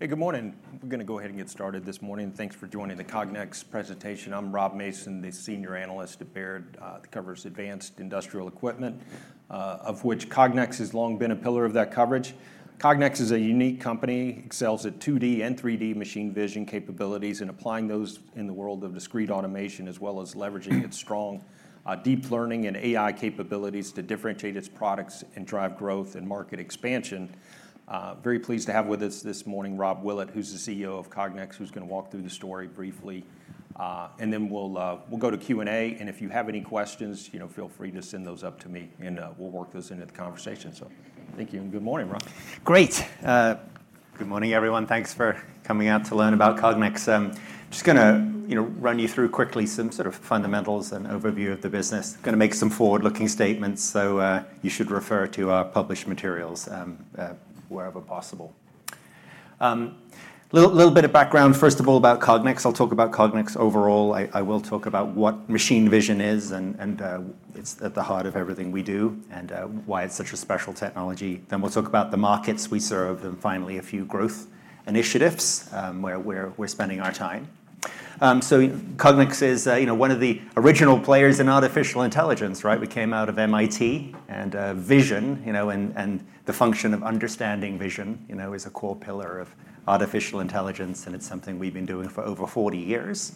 Hey, good morning. We're going to go ahead and get started this morning. Thanks for joining the Cognex presentation. I'm Rob Mason, the Senior Analyst at Baird. It covers advanced industrial equipment, of which Cognex has long been a pillar of that coverage. Cognex is a unique company. It excels at 2D and 3D machine vision capabilities and applying those in the world of discrete automation, as well as leveraging its strong deep learning and AI capabilities to differentiate its products and drive growth and market expansion. Very pleased to have with us this morning Rob Willett, who's the CEO of Cognex, who's going to walk through the story briefly. And then we'll go to Q&A. And if you have any questions, feel free to send those up to me, and we'll work those into the conversation. So thank you and good morning, Rob. Great. Good morning, everyone. Thanks for coming out to learn about Cognex. I'm just going to run you through quickly some sort of fundamentals and overview of the business. I'm going to make some forward-looking statements, so you should refer to our published materials wherever possible. A little bit of background, first of all, about Cognex. I'll talk about Cognex overall. I will talk about what machine vision is, and it's at the heart of everything we do, and why it's such a special technology, then we'll talk about the markets we serve, and finally, a few growth initiatives where we're spending our time, so Cognex is one of the original players in artificial intelligence. We came out of MIT, and vision and the function of understanding vision is a core pillar of artificial intelligence, and it's something we've been doing for over 40 years.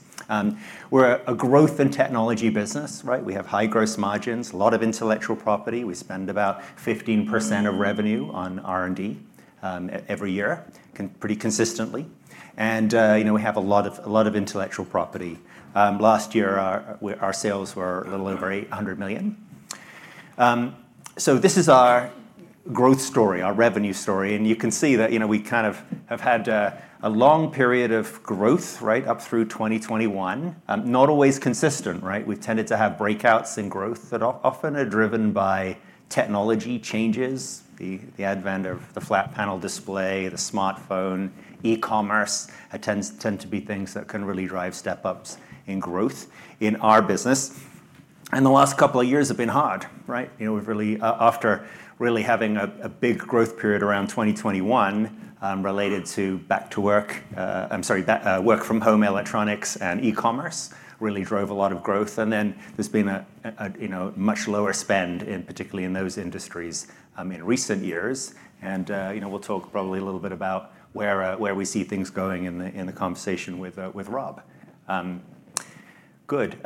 We're a growth and technology business. We have high gross margins, a lot of intellectual property. We spend about 15% of revenue on R&D every year, pretty consistently. And we have a lot of intellectual property. Last year, our sales were a little over $800 million. So this is our growth story, our revenue story. And you can see that we kind of have had a long period of growth up through 2021, not always consistent. We've tended to have breakouts in growth that often are driven by technology changes, the advent of the flat panel display, the smartphone, e-commerce tend to be things that can really drive step-ups in growth in our business. And the last couple of years have been hard. After really having a big growth period around 2021 related to back to work, I'm sorry, work from home electronics and e-commerce really drove a lot of growth. And then there's been a much lower spend, particularly in those industries, in recent years. And we'll talk probably a little bit about where we see things going in the conversation with Rob. Good.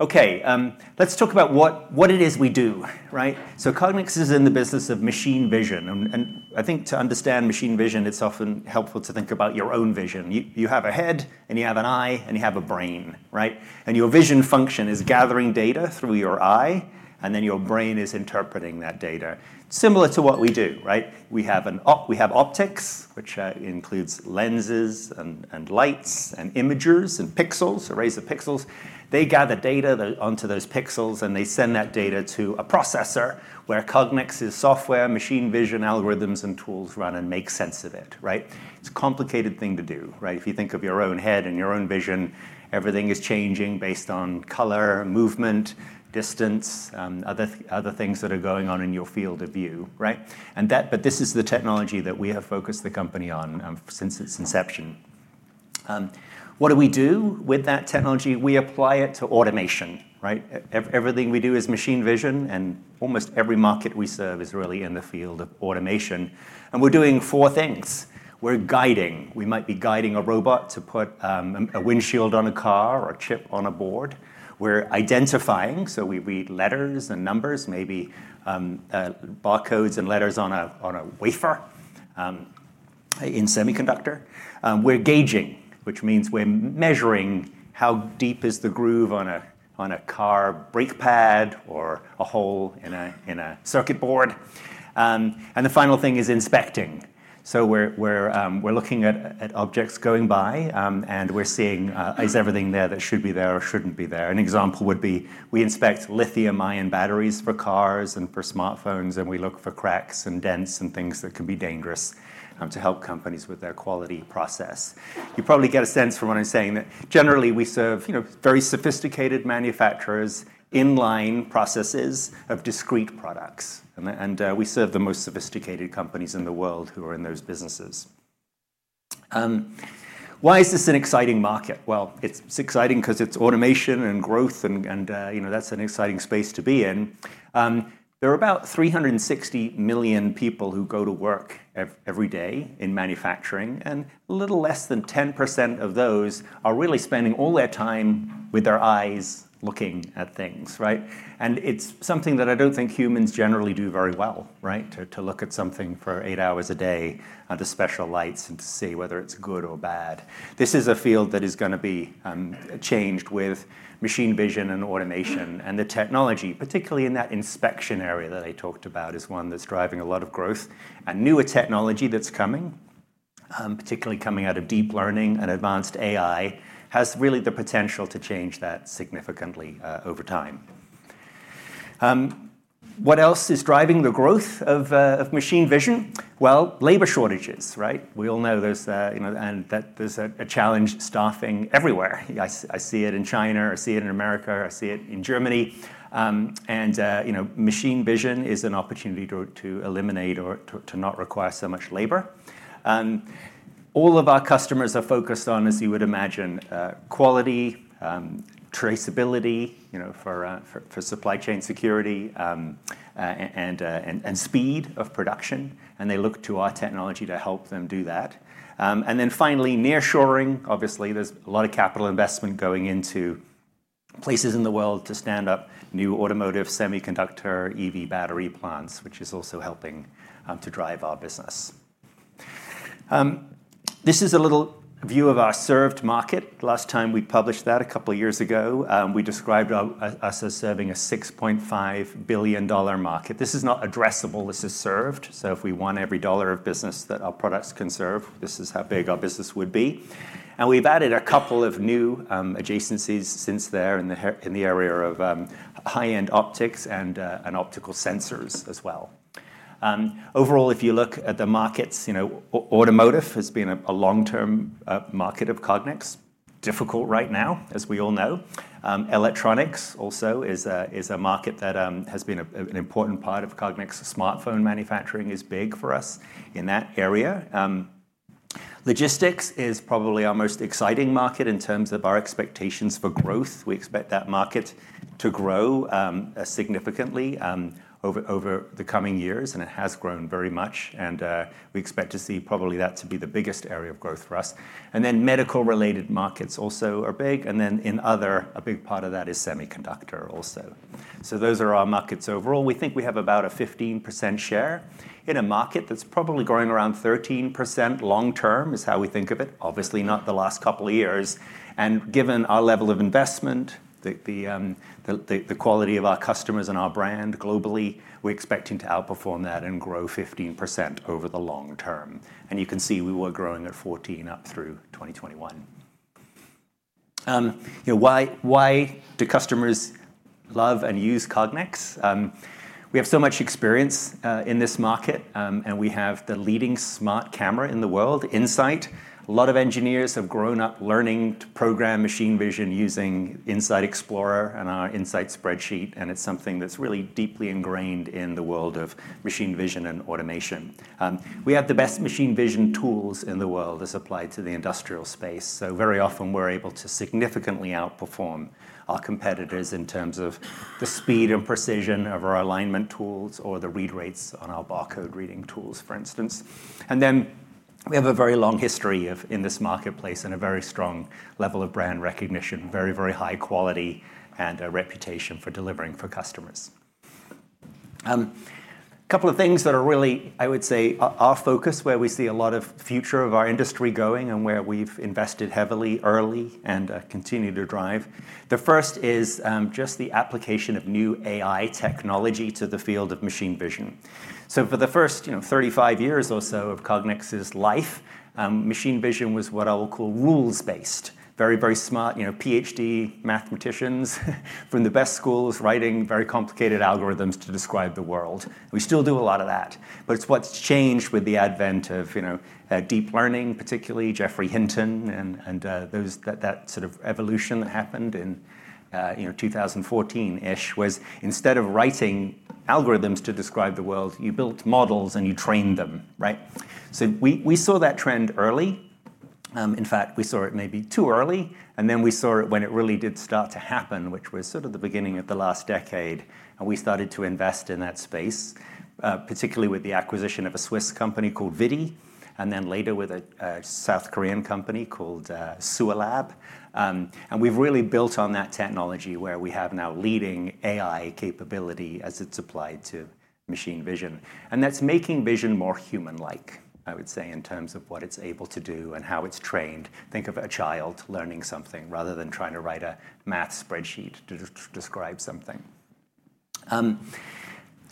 OK, let's talk about what it is we do. So Cognex is in the business of machine vision. And I think to understand machine vision, it's often helpful to think about your own vision. You have a head, and you have an eye, and you have a brain. And your vision function is gathering data through your eye, and then your brain is interpreting that data. Similar to what we do. We have optics, which includes lenses and lights and imagers and pixels, arrays of pixels. They gather data onto those pixels, and they send that data to a processor where Cognex's software, machine vision algorithms, and tools run and make sense of it. It's a complicated thing to do. If you think of your own head and your own vision, everything is changing based on color, movement, distance, other things that are going on in your field of view. But this is the technology that we have focused the company on since its inception. What do we do with that technology? We apply it to automation. Everything we do is machine vision, and almost every market we serve is really in the field of automation. And we're doing four things. We're guiding. We might be guiding a robot to put a windshield on a car or a chip on a board. We're identifying, so we read letters and numbers, maybe barcodes and letters on a wafer in semiconductor. We're gauging, which means we're measuring how deep is the groove on a car brake pad or a hole in a circuit board, and the final thing is inspecting, so we're looking at objects going by, and we're seeing is everything there that should be there or shouldn't be there. An example would be we inspect lithium-ion batteries for cars and for smartphones, and we look for cracks and dents and things that can be dangerous to help companies with their quality process. You probably get a sense from what I'm saying that generally we serve very sophisticated manufacturers, inline processes of discrete products, and we serve the most sophisticated companies in the world who are in those businesses. Why is this an exciting market? It's exciting because it's automation and growth, and that's an exciting space to be in. There are about 360 million people who go to work every day in manufacturing, and a little less than 10% of those are really spending all their time with their eyes looking at things. It's something that I don't think humans generally do very well, to look at something for eight hours a day under special lights and to see whether it's good or bad. This is a field that is going to be changed with machine vision and automation and the technology, particularly in that inspection area that I talked about, is one that's driving a lot of growth. Newer technology that's coming, particularly coming out of deep learning and advanced AI, has really the potential to change that significantly over time. What else is driving the growth of machine vision? Labor shortages. We all know there's a challenge staffing everywhere. I see it in China. I see it in America. I see it in Germany. Machine vision is an opportunity to eliminate or to not require so much labor. All of our customers are focused on, as you would imagine, quality, traceability for supply chain security, and speed of production. They look to our technology to help them do that. Finally, nearshoring. Obviously, there's a lot of capital investment going into places in the world to stand up new automotive, semiconductor, EV battery plants, which is also helping to drive our business. This is a little view of our served market. Last time we published that, a couple of years ago, we described us as serving a $6.5 billion market. This is not addressable. This is served. If we won every dollar of business that our products can serve, this is how big our business would be. We've added a couple of new adjacencies since then in the area of high-end optics and optical sensors as well. Overall, if you look at the markets, automotive has been a long-term market of Cognex. It is difficult right now, as we all know. Electronics also is a market that has been an important part of Cognex. Smartphone manufacturing is big for us in that area. Logistics is probably our most exciting market in terms of our expectations for growth. We expect that market to grow significantly over the coming years, and it has grown very much. We expect to see probably that to be the biggest area of growth for us. Medical-related markets also are big. And then, another big part of that is semiconductor also. So those are our markets overall. We think we have about a 15% share in a market that's probably growing around 13% long-term, is how we think of it, obviously not the last couple of years. And given our level of investment, the quality of our customers and our brand globally, we're expecting to outperform that and grow 15% over the long term. And you can see we were growing at 14% up through 2021. Why do customers love and use Cognex? We have so much experience in this market, and we have the leading smart camera in the world, In-Sight. A lot of engineers have grown up learning to program machine vision using In-Sight Explorer and our In-Sight spreadsheet. And it's something that's really deeply ingrained in the world of machine vision and automation. We have the best machine vision tools in the world as applied to the industrial space. So very often we're able to significantly outperform our competitors in terms of the speed and precision of our alignment tools or the read rates on our barcode reading tools, for instance. And then we have a very long history in this marketplace and a very strong level of brand recognition, very, very high quality and a reputation for delivering for customers. A couple of things that are really, I would say, our focus, where we see a lot of the future of our industry going and where we've invested heavily early and continue to drive. The first is just the application of new AI technology to the field of machine vision. For the first 35 years or so of Cognex's life, machine vision was what I will call rules-based, very, very smart PhD mathematicians from the best schools writing very complicated algorithms to describe the world. We still do a lot of that. But it's what's changed with the advent of deep learning, particularly Geoffrey Hinton and that sort of evolution that happened in 2014-ish: instead of writing algorithms to describe the world, you built models and you trained them. We saw that trend early. In fact, we saw it maybe too early. Then we saw it when it really did start to happen, which was sort of the beginning of the last decade. We started to invest in that space, particularly with the acquisition of a Swiss company called ViDi, and then later with a South Korean company called SUALAB. And we've really built on that technology where we have now leading AI capability as it's applied to machine vision. And that's making vision more human-like, I would say, in terms of what it's able to do and how it's trained. Think of a child learning something rather than trying to write a math spreadsheet to describe something.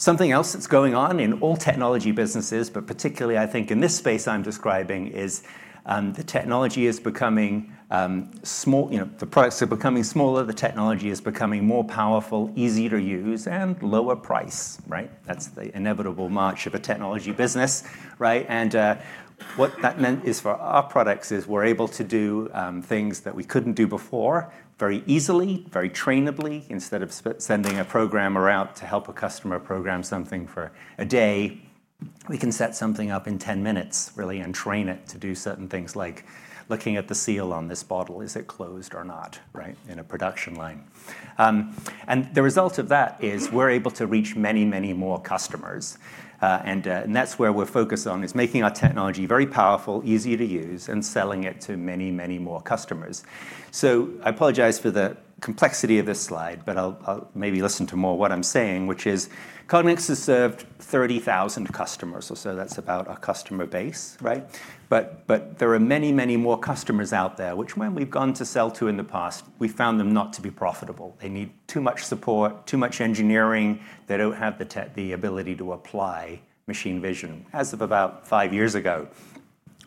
Something else that's going on in all technology businesses, but particularly I think in this space I'm describing, is the technology is becoming small. The products are becoming smaller. The technology is becoming more powerful, easy to use, and lower price. That's the inevitable march of a technology business. And what that meant is for our products is we're able to do things that we couldn't do before very easily, very trainably. Instead of sending a programmer out to help a customer program something for a day, we can set something up in 10 minutes really and train it to do certain things like looking at the seal on this bottle, is it closed or not in a production line. And the result of that is we're able to reach many, many more customers. And that's where we're focused on is making our technology very powerful, easy to use, and selling it to many, many more customers. So I apologize for the complexity of this slide, but I'll maybe listen to more what I'm saying, which is Cognex has served 30,000 customers or so. That's about our customer base. But there are many, many more customers out there, which when we've gone to sell to in the past, we found them not to be profitable. They need too much support, too much engineering. They don't have the ability to apply machine vision as of about five years ago,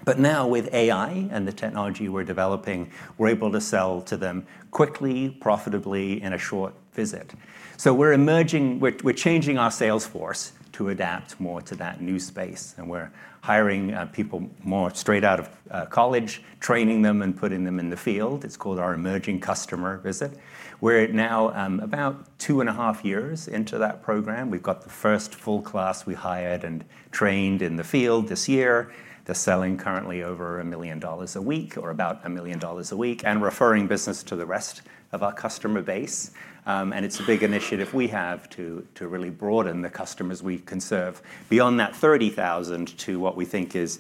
but now with AI and the technology we're developing, we're able to sell to them quickly, profitably in a short visit, so we're changing our sales force to adapt more to that new space, and we're hiring people more straight out of college, training them and putting them in the field. It's called our emerging customer visit. We're now about two and a half years into that program. We've got the first full class we hired and trained in the field this year. They're selling currently over $1 million a week or about $1 million a week and referring business to the rest of our customer base. It's a big initiative we have to really broaden the customers we can serve beyond that 30,000 to what we think is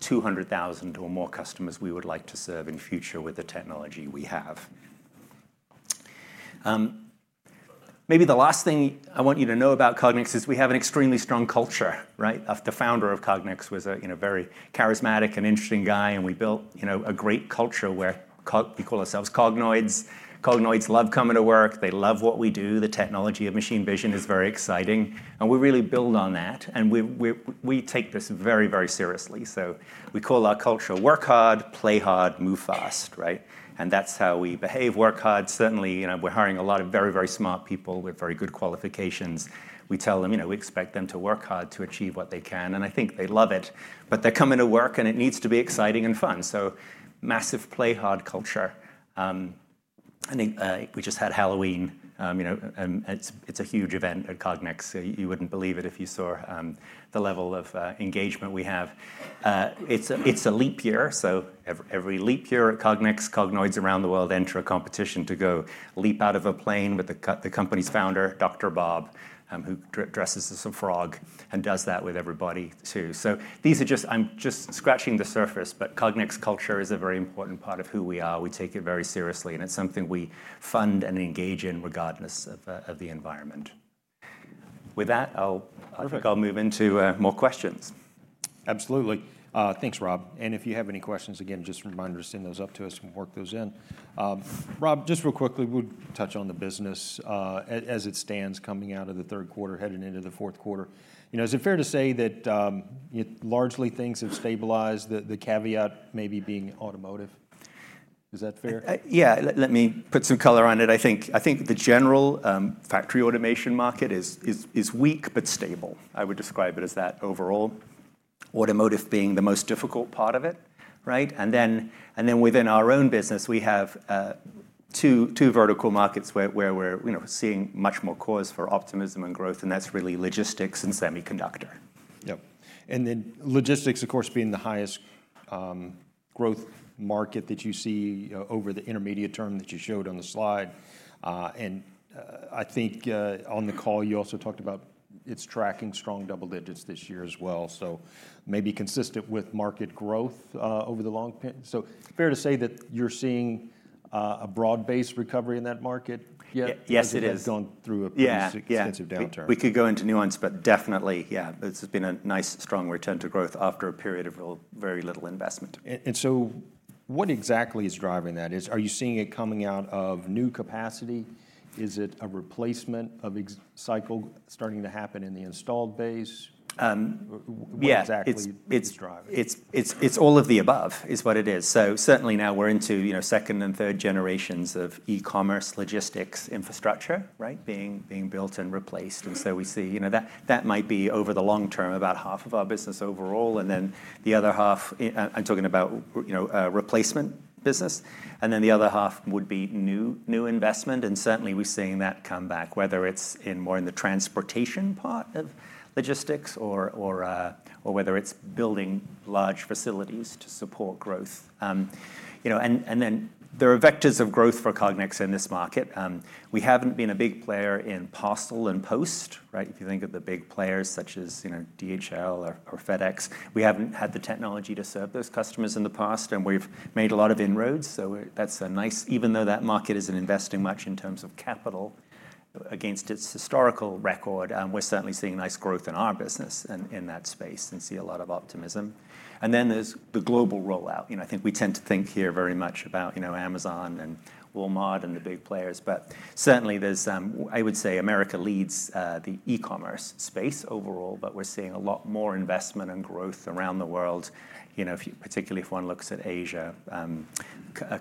200,000 or more customers we would like to serve in future with the technology we have. Maybe the last thing I want you to know about Cognex is we have an extremely strong culture. The founder of Cognex was a very charismatic and interesting guy. We built a great culture where we call ourselves Cognoids. Cognoids love coming to work. They love what we do. The technology of machine vision is very exciting. We really build on that. We take this very, very seriously. We call our culture work hard, play hard, move fast. That's how we behave, work hard. Certainly, we're hiring a lot of very, very smart people with very good qualifications. We tell them we expect them to work hard to achieve what they can. And I think they love it. But they're coming to work, and it needs to be exciting and fun. So, massive play hard culture. I think we just had Halloween. It's a huge event at Cognex. You wouldn't believe it if you saw the level of engagement we have. It's a leap year. So every leap year at Cognex, Cognoids around the world enter a competition to go leap out of a plane with the company's founder, Dr. Bob, who dresses as a frog and does that with everybody too. So I'm just scratching the surface, but Cognex culture is a very important part of who we are. We take it very seriously, and it's something we fund and engage in regardless of the environment. With that, I'll move into more questions. Absolutely. Thanks, Rob. And if you have any questions, again, just remind us to send those up to us and work those in. Rob, just real quickly, we'll touch on the business as it stands coming out of the third quarter, heading into the fourth quarter. Is it fair to say that largely things have stabilized, the caveat maybe being automotive? Is that fair? Yeah. Let me put some color on it. I think the general factory automation market is weak but stable. I would describe it as that overall automotive being the most difficult part of it, and then within our own business, we have two vertical markets where we're seeing much more cause for optimism and growth, and that's really logistics and semiconductor. Yep. And then logistics, of course, being the highest growth market that you see over the intermediate term that you showed on the slide. And I think on the call, you also talked about it's tracking strong double digits this year as well. So maybe consistent with market growth over the long term. So fair to say that you're seeing a broad-based recovery in that market? Yes, it is. It has gone through a pretty extensive downturn. We could go into nuance, but definitely, yeah, this has been a nice strong return to growth after a period of very little investment. And so what exactly is driving that? Are you seeing it coming out of new capacity? Is it a replacement of cycle starting to happen in the installed base? What exactly is driving it? It's all of the above is what it is. So certainly now we're into second and third generations of e-commerce, logistics, infrastructure being built and replaced. And so we see that might be over the long term about half of our business overall. And then the other half, I'm talking about replacement business. And then the other half would be new investment. And certainly we're seeing that come back, whether it's more in the transportation part of logistics or whether it's building large facilities to support growth. And then there are vectors of growth for Cognex in this market. We haven't been a big player in parcel and post. If you think of the big players such as DHL or FedEx, we haven't had the technology to serve those customers in the past. And we've made a lot of inroads. So that's nice. Even though that market isn't investing much in terms of capital against its historical record, we're certainly seeing nice growth in our business in that space and see a lot of optimism. And then there's the global rollout. I think we tend to think here very much about Amazon and Walmart and the big players. But certainly there's, I would say, America leads the e-commerce space overall, but we're seeing a lot more investment and growth around the world, particularly if one looks at Asia.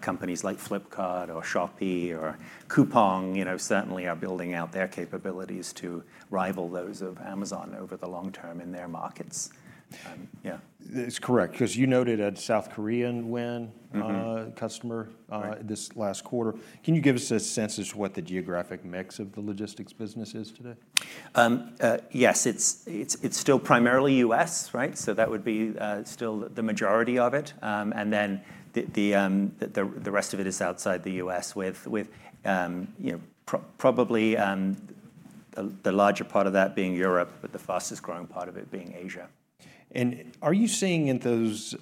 Companies like Flipkart or Shopee or Coupang certainly are building out their capabilities to rival those of Amazon over the long term in their markets. Yeah. That's correct. Because you noted a South Korean win customer this last quarter. Can you give us a sense as to what the geographic mix of the logistics business is today? Yes. It's still primarily U.S. So that would be still the majority of it, and then the rest of it is outside the U.S. with probably the larger part of that being Europe, but the fastest growing part of it being Asia. And are you seeing in those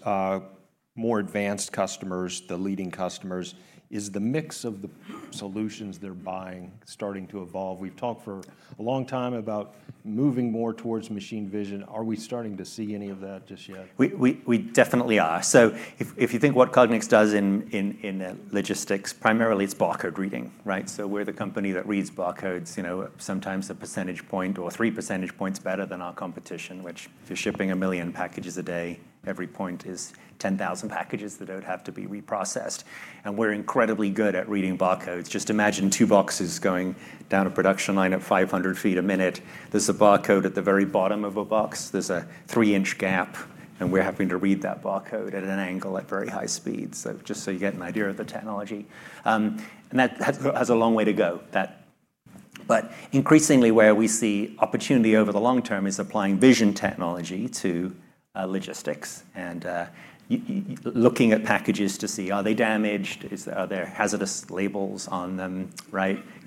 more advanced customers, the leading customers, is the mix of the solutions they're buying starting to evolve? We've talked for a long time about moving more towards machine vision. Are we starting to see any of that just yet? We definitely are, so if you think what Cognex does in logistics, primarily it's barcode reading. So we're the company that reads barcodes sometimes a percentage point or three percentage points better than our competition, which if you're shipping a million packages a day, every point is 10,000 packages that don't have to be reprocessed, and we're incredibly good at reading barcodes. Just imagine two boxes going down a production line at 500 feet a minute. There's a barcode at the very bottom of a box. There's a three-inch gap, and we're having to read that barcode at an angle at very high speed, so just so you get an idea of the technology, and that has a long way to go. But increasingly, where we see opportunity over the long term is applying vision technology to logistics and looking at packages to see are they damaged, are there hazardous labels on them,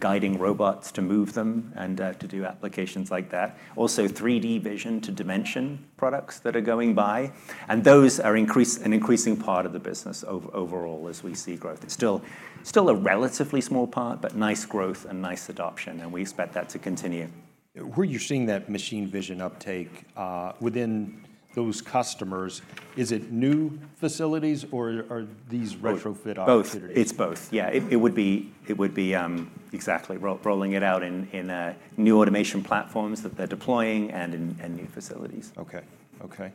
guiding robots to move them and to do applications like that. Also 3D vision to dimension products that are going by. And those are an increasing part of the business overall as we see growth. It's still a relatively small part, but nice growth and nice adoption. And we expect that to continue. Where you're seeing that machine vision uptake within those customers, is it new facilities or are these retrofit opportunities? Both. It's both. Yeah. It would be exactly rolling it out in new automation platforms that they're deploying and in new facilities. OK. OK.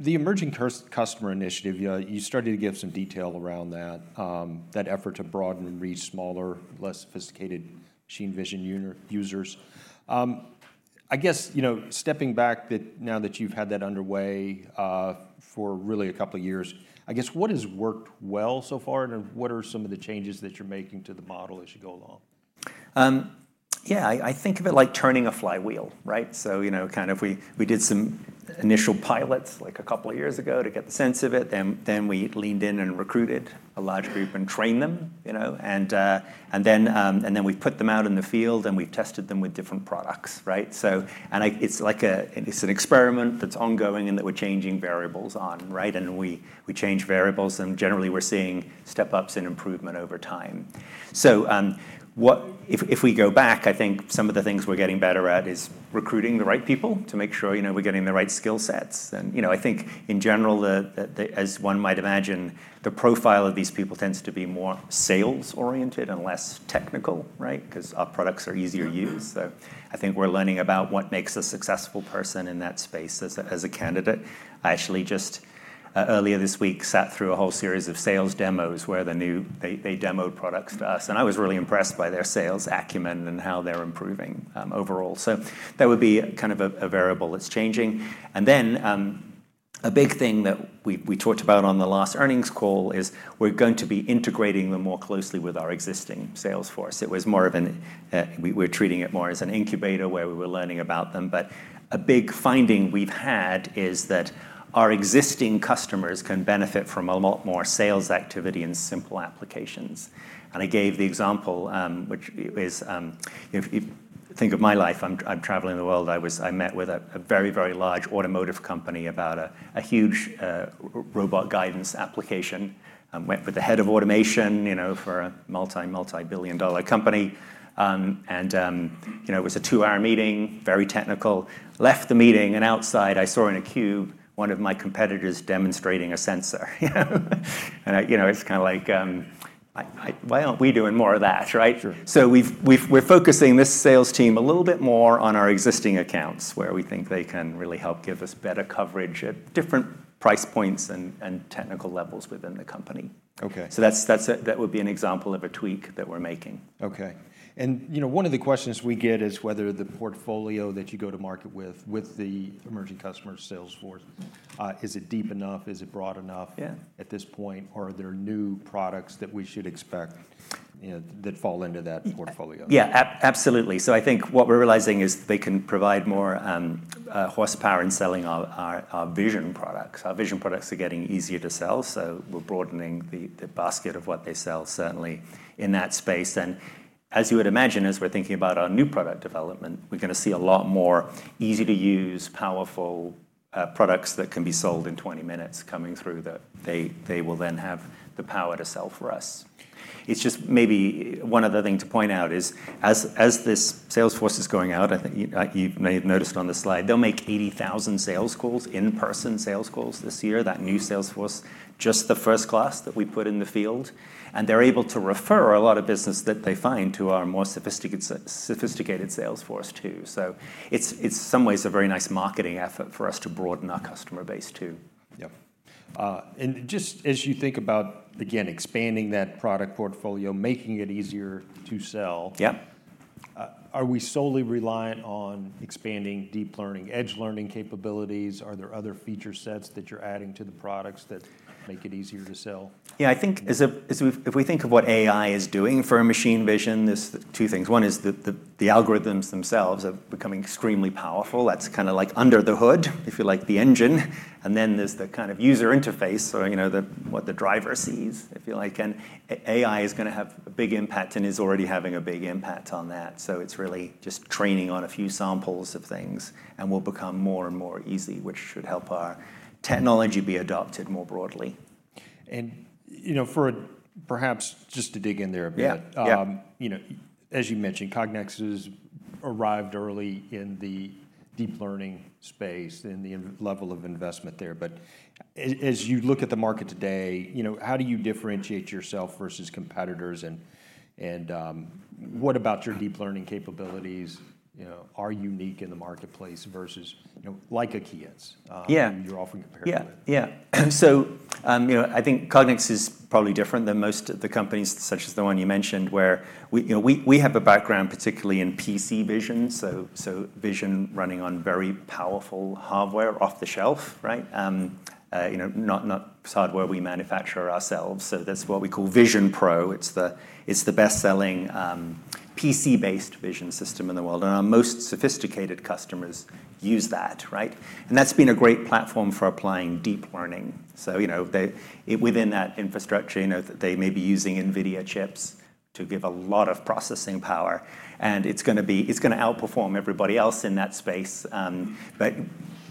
The emerging customer initiative, you started to give some detail around that effort to broaden and reach smaller, less sophisticated machine vision users. I guess stepping back now that you've had that underway for really a couple of years, I guess what has worked well so far and what are some of the changes that you're making to the model as you go along? Yeah. I think of it like turning a flywheel. So kind of we did some initial pilots like a couple of years ago to get the sense of it. Then we leaned in and recruited a large group and trained them. And then we've put them out in the field and we've tested them with different products. And it's an experiment that's ongoing and that we're changing variables on. And we change variables. And generally, we're seeing step-ups and improvement over time. So if we go back, I think some of the things we're getting better at is recruiting the right people to make sure we're getting the right skill sets. And I think in general, as one might imagine, the profile of these people tends to be more sales-oriented and less technical because our products are easier to use. So I think we're learning about what makes a successful person in that space as a candidate. I actually just earlier this week sat through a whole series of sales demos where they demoed products to us, and I was really impressed by their sales acumen and how they're improving overall, so that would be kind of a variable that's changing, and then a big thing that we talked about on the last earnings call is we're going to be integrating them more closely with our existing sales force. It was more of a we're treating it more as an incubator where we were learning about them, but a big finding we've had is that our existing customers can benefit from a lot more sales activity and simple applications, and I gave the example, which is think of my life. I'm traveling the world. I met with a very, very large automotive company about a huge robot guidance application. Went with the head of automation for a multi-multi-billion-dollar company, and it was a two-hour meeting, very technical. Left the meeting, and outside, I saw in a cube one of my competitors demonstrating a sensor, and it's kind of like, why aren't we doing more of that, so we're focusing this sales team a little bit more on our existing accounts where we think they can really help give us better coverage at different price points and technical levels within the company, so that would be an example of a tweak that we're making. OK, and one of the questions we get is whether the portfolio that you go to market with, with the emerging customer sales force, is it deep enough? Is it broad enough at this point? Or are there new products that we should expect that fall into that portfolio? Yeah, absolutely. So I think what we're realizing is they can provide more horsepower in selling our vision products. Our vision products are getting easier to sell. So we're broadening the basket of what they sell certainly in that space. And as you would imagine, as we're thinking about our new product development, we're going to see a lot more easy-to-use, powerful products that can be sold in 20 minutes coming through that they will then have the power to sell for us. It's just maybe one other thing to point out: as this sales force is going out, I think you may have noticed on the slide, they'll make 80,000 sales calls, in-person sales calls this year, that new sales force, just the first class that we put in the field. And they're able to refer a lot of business that they find to our more sophisticated sales force too. So it's in some ways a very nice marketing effort for us to broaden our customer base too. Yep. And just as you think about, again, expanding that product portfolio, making it easier to sell, are we solely reliant on expanding deep learning, edge learning capabilities? Are there other feature sets that you're adding to the products that make it easier to sell? Yeah. I think if we think of what AI is doing for machine vision, there's two things. One is the algorithms themselves are becoming extremely powerful. That's kind of like under the hood, if you like, the engine. And then there's the kind of user interface, so what the driver sees, if you like. And AI is going to have a big impact and is already having a big impact on that. So it's really just training on a few samples of things and will become more and more easy, which should help our technology be adopted more broadly. And perhaps just to dig in there a bit, as you mentioned, Cognex has arrived early in the deep learning space and the level of investment there. But as you look at the market today, how do you differentiate yourself versus competitors? And what about your deep learning capabilities are unique in the marketplace versus like Keyence you're often compared to? Yeah. Yeah. So I think Cognex is probably different than most of the companies, such as the one you mentioned, where we have a background, particularly in PC vision, so vision running on very powerful hardware off the shelf, not hardware we manufacture ourselves. So that's what we call VisionPro. It's the best-selling PC-based vision system in the world. And our most sophisticated customers use that. And that's been a great platform for applying deep learning. So within that infrastructure, they may be using NVIDIA chips to give a lot of processing power. And it's going to outperform everybody else in that space. But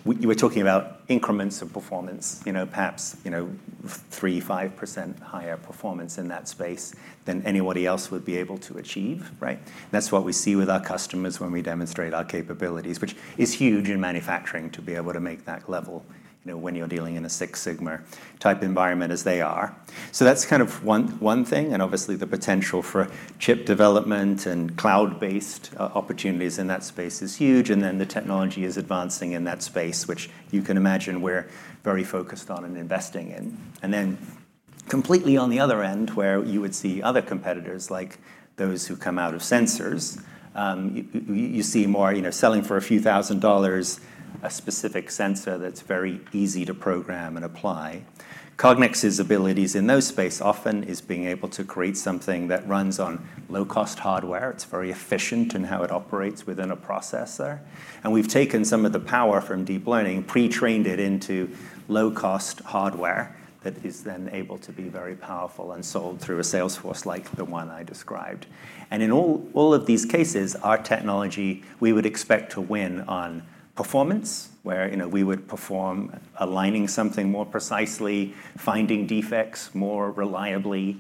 we're talking about increments of performance, perhaps 3% - 5% higher performance in that space than anybody else would be able to achieve. That's what we see with our customers when we demonstrate our capabilities, which is huge in manufacturing to be able to make that level when you're dealing in a Six Sigma type environment as they are. So that's kind of one thing. And obviously, the potential for chip development and cloud-based opportunities in that space is huge. And then the technology is advancing in that space, which you can imagine we're very focused on and investing in. And then completely on the other end, where you would see other competitors like those who come out of sensors, you see more selling for a few thousand dollars a specific sensor that's very easy to program and apply. Cognex's abilities in those space often is being able to create something that runs on low-cost hardware. It's very efficient in how it operates within a processor. And we've taken some of the power from deep learning, pre-trained it into low-cost hardware that is then able to be very powerful and sold through a sales force like the one I described. And in all of these cases, our technology, we would expect to win on performance, where we would perform aligning something more precisely, finding defects more reliably,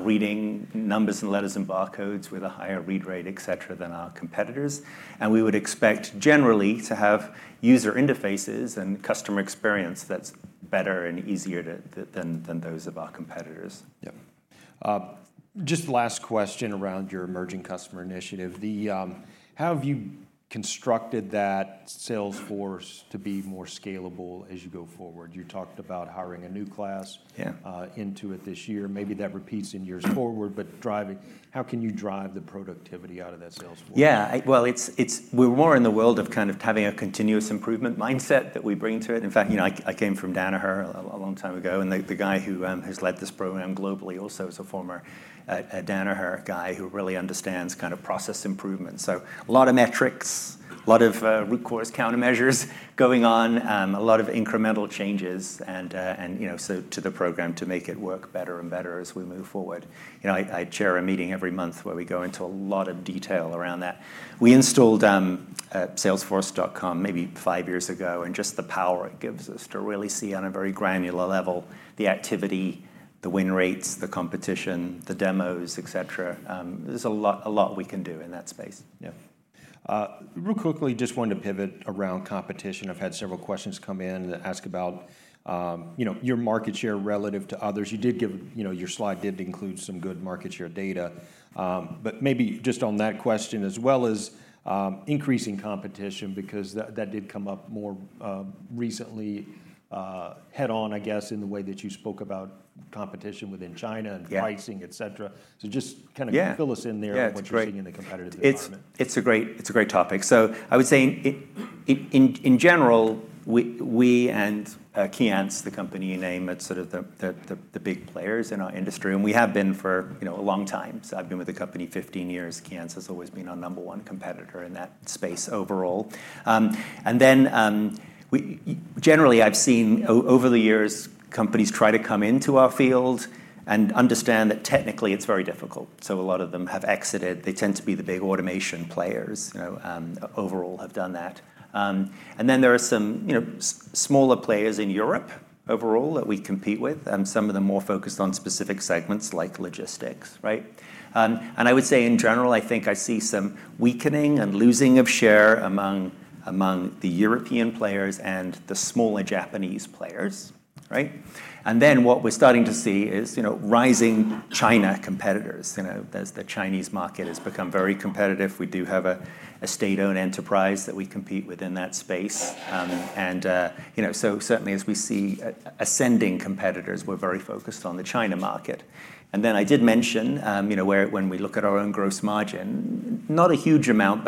reading numbers and letters and barcodes with a higher read rate, et cetera, than our competitors. And we would expect generally to have user interfaces and customer experience that's better and easier than those of our competitors. Yeah. Just the last question around your emerging customer initiative. How have you constructed that sales force to be more scalable as you go forward? You talked about hiring a new class into it this year. Maybe that repeats in years forward, but how can you drive the productivity out of that sales force? Yeah. Well, we're more in the world of kind of having a continuous improvement mindset that we bring to it. In fact, I came from Danaher a long time ago, and the guy who has led this program globally also is a former Danaher guy who really understands kind of process improvement, so a lot of metrics, a lot of root cause countermeasures going on, a lot of incremental changes to the program to make it work better and better as we move forward. I chair a meeting every month where we go into a lot of detail around that. We installed Salesforce.com maybe five years ago, and just the power it gives us to really see on a very granular level the activity, the win rates, the competition, the demos, et cetera. There's a lot we can do in that space. Yeah. Real quickly, just wanted to pivot around competition. I've had several questions come in that ask about your market share relative to others. Your slide did include some good market share data. But maybe just on that question as well as increasing competition, because that did come up more recently head-on, I guess, in the way that you spoke about competition within China and pricing, et cetera. So just kind of fill us in there on what you're seeing in the competitive environment. It's a great topic. So I would say in general, we and Keyence, the company you named, are sort of the big players in our industry. And we have been for a long time. So I've been with the company 15 years. Keyence has always been our number one competitor in that space overall. And then generally, I've seen over the years companies try to come into our field and understand that technically it's very difficult. So a lot of them have exited. They tend to be the big automation players overall, have done that. And then there are some smaller players in Europe overall that we compete with. Some of them more focused on specific segments like logistics. And I would say in general, I think I see some weakening and losing of share among the European players and the smaller Japanese players. And then what we're starting to see is rising Chinese competitors. The Chinese market has become very competitive. We do have a state-owned enterprise that we compete with in that space. And so certainly as we see ascending competitors, we're very focused on the China market. And then I did mention when we look at our own gross margin, not a huge amount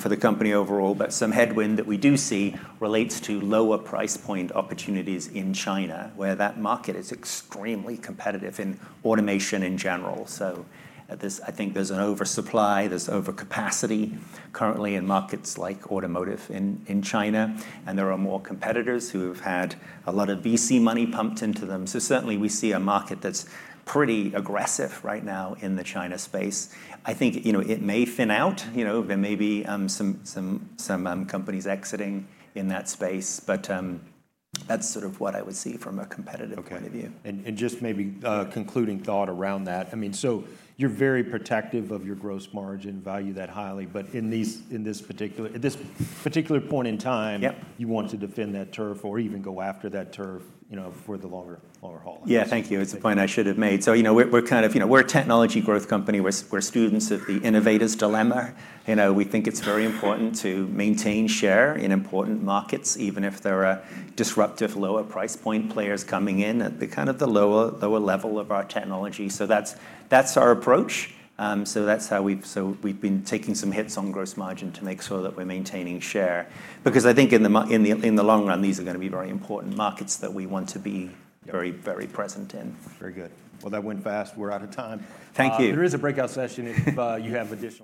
for the company overall, but some headwind that we do see relates to lower price point opportunities in China, where that market is extremely competitive in automation in general. So I think there's an oversupply. There's overcapacity currently in markets like automotive in China. And there are more competitors who have had a lot of VC money pumped into them. So certainly we see a market that's pretty aggressive right now in the China space. I think it may thin out. There may be some companies exiting in that space. But that's sort of what I would see from a competitive point of view. And just maybe concluding thought around that. I mean, so you're very protective of your gross margin, value that highly. But in this particular point in time, you want to defend that turf or even go after that turf for the longer haul. Yeah, thank you. It's a point I should have made. So we're kind of a technology growth company. We're students of the innovator's dilemma. We think it's very important to maintain share in important markets, even if there are disruptive lower price point players coming in at kind of the lower level of our technology. So that's our approach. So that's how we've been taking some hits on gross margin to make sure that we're maintaining share. Because I think in the long run, these are going to be very important markets that we want to be very, very present in. Very good. Well, that went fast. We're out of time. Thank you. There is a breakout session if you have additional.